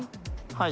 はい。